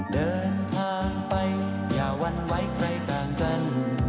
เดินทางไปอย่าวันไว้ใครต่างกัน